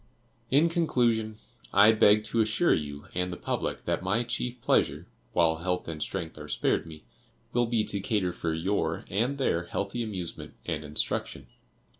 "In conclusion, I beg to assure you and the public that my chief pleasure, while health and strength are spared me, will be to cater for your and their healthy amusement and instruction.